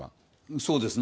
そうですね。